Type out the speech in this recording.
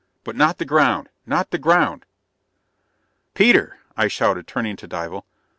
But not the ground ... not the ground...." "Peter!" I shouted, turning to Dival.